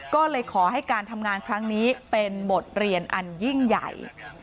ก็เลยขอให้การทำงานครั้งนี้เป็นบทเรียนอันยิ่งใหญ่